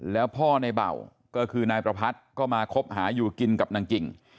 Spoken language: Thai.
แล้วพ่อในเบาก็คือนายประพัทธ์ก็มาคบหาอยู่กินกับนางกิ่ง